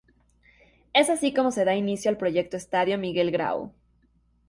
Es así como se da inicio al proyecto Estadio Miguel Grau.